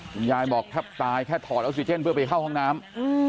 คุณยายบอกแทบตายแค่ถอดออกซิเจนเพื่อไปเข้าห้องน้ำ